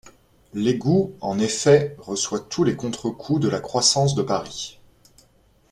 L’égout, en effet, reçoit tous les contre-coups de la croissance de Paris.